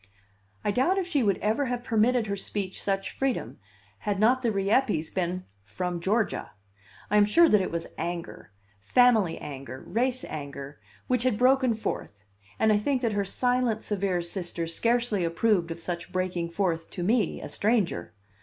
I doubt if she would ever have permitted her speech such freedom had not the Rieppes been "from Georgia"; I am sure that it was anger family anger, race anger which had broken forth; and I think that her silent, severe sister scarcely approved of such breaking forth to me, a stranger.